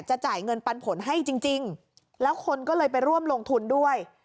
จ่ายเงินปันผลให้จริงแล้วคนก็เลยไปร่วมลงทุนด้วย